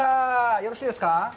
よろしいですか。